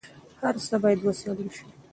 هر څه باید وڅېړل سي.